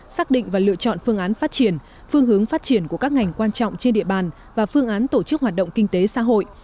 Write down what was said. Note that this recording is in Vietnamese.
xác định và lựa chọn phương án phát triển phương hướng phát triển của các ngành quan trọng trên địa bàn và phương án tổ chức hoạt động kinh tế xã hội